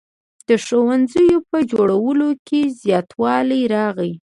د ښوونځیو په جوړولو کې زیاتوالی راغی.